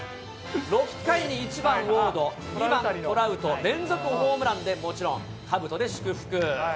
６回に１番ウォード、２番トラウト、連続ホームランで、もちろん、かぶとで祝福。